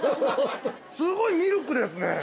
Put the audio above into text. ◆すごいミルクですね。